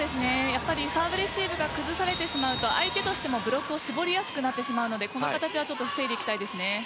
サーブレシーブが崩されてしまうと相手としてもブロックを絞りやすくなってしまうのでこの形を防いでいきたいですね。